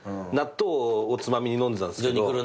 納豆をつまみに飲んでたんですけど。